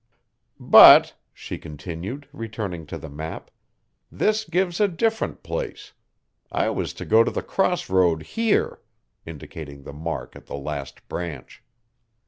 "But," she continued, returning to the map, "this gives a different place. I was to go to the cross road here," indicating the mark at the last branch.